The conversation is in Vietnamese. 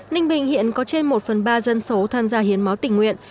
ninh bình hiện có trên một phần ba dân số tham gia hiến máu tỉnh nguyện